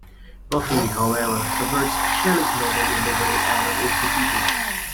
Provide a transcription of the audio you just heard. "Buffy", however, subverts Shelley's novel in the way Adam is defeated.